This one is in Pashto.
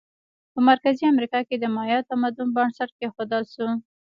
په مرکزي امریکا کې د مایا تمدن بنسټ کېښودل شو.